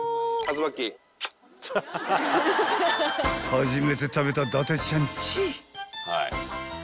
［初めて食べた伊達ちゃんちー！］